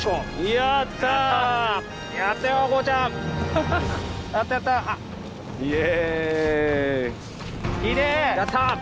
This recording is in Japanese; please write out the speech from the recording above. やったぜ！